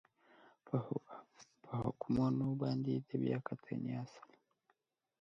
په حکمونو باندې د بیا کتنې اصل